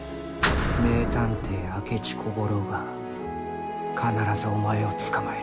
名探偵明智小五郎が必ずお前を捕まえる。